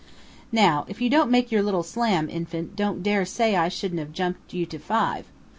"Now if you don't make your little slam, infant, don't dare say I shouldn't have jumped you to five!...